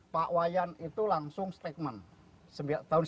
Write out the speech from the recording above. pak iwayandir itu langsung statement tahun seribu sembilan ratus sembilan puluh delapan